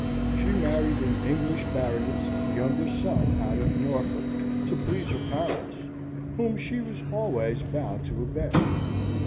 She married an English baronet's younger son out of Norfolk to please her parents, whom she was always bound to obey.